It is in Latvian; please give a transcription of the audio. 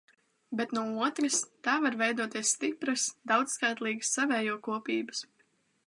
Bet no otras – tā var veidoties stipras, daudzskaitlīgas savējo kopības.